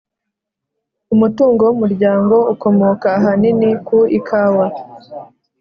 Umutungo w Umuryango ukomoka ahanini ku ikawa